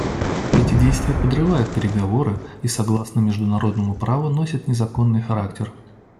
Эти действия подрывают переговоры и, согласно международному праву, носят незаконный характер.